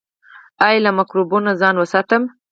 ایا له مکروبونو ځان وساتم؟